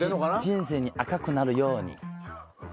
人生赤くなるように。